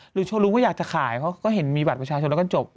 โชว์รูมก็อยากจะขายเขาก็เห็นมีบัตรประชาชนแล้วก็จบ